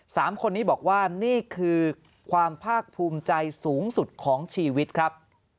สามคนนี้บอกว่านี่คือความภาคภูมิใจสูงสุดของชีวิตครับ